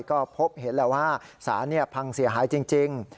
ก็พบเห็นแล้วว่าสารพังเสียหายจริง